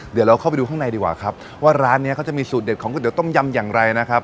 เดี๋ยวเราเข้าไปดูข้างในดีกว่าครับว่าร้านนี้เขาจะมีสูตรเด็ดของก๋วต้มยำอย่างไรนะครับ